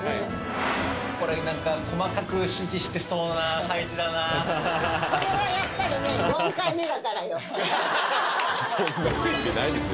これ何か細かく指示してそうな配置だなこれはやっぱりねそんな権利ないですよ